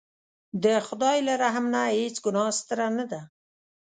د خدای له رحم نه هېڅ ګناه ستره نه ده.